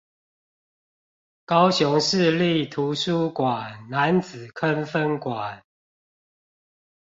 高雄市立圖書館楠仔坑分館